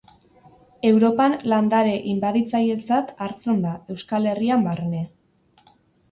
Europan landare inbaditzailetzat hartzen da, Euskal Herrian barne.